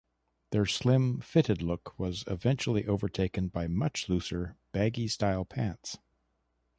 Their slim, fitted look was eventually overtaken by much looser, baggy-style pants.